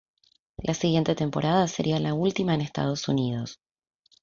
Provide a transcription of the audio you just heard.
La siguiente temporada sería la última en Estados Unidos.